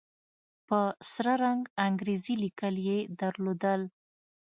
په سره رنگ انګريزي ليکل يې درلودل.